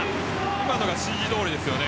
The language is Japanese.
今のは指示どおりですよね。